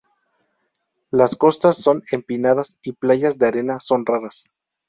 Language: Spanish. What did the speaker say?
Las costas son empinadas y playas de arena son raras.